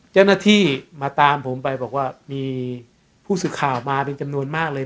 เจ้าหน้าที่มาตามผมไปบอกว่ามีผู้สื่อข่าวมาเป็นจำนวนมากเลย